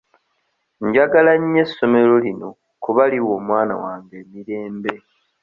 Njagala nnyo essomero lino kuba liwa omwana wange emirembe.